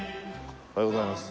おはようございます。